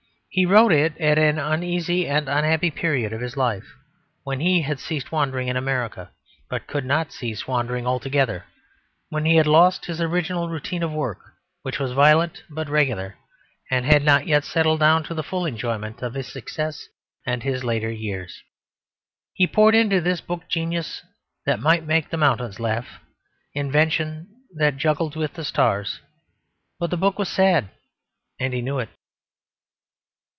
He wrote it at an uneasy and unhappy period of his life; when he had ceased wandering in America, but could not cease wandering altogether; when he had lost his original routine of work which was violent but regular, and had not yet settled down to the full enjoyment of his success and his later years. He poured into this book genius that might make the mountains laugh, invention that juggled with the stars. But the book was sad; and he knew it.